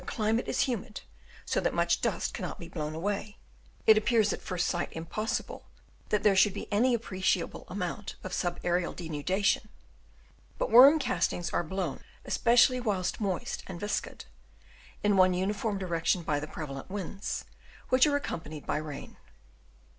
YIL climate is humid so that much dust cannot be blown away, it appears at first sight im possible that there should be any appreciable amount of sub aerial denudation ; but worm castings are blown, especially whilst moist and viscid, in one uniform direction by the prevalent winds which are accompanied by rain.